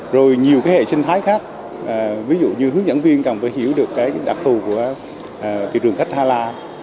rồi nhiều cái hệ sinh thái khác ví dụ như hướng dẫn viên cần phải hiểu được cái đặc thù của thị trường khách hala